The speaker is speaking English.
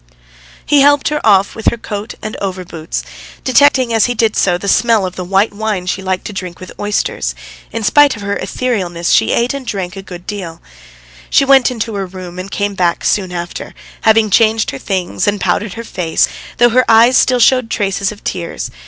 He helped her off with her coat and overboots, detecting as he did so the smell of the white wine she liked to drink with oysters (in spite of her etherealness she ate and drank a great deal). She went into her room and came back soon after, having changed her things and powdered her face, though her eyes still showed traces of tears.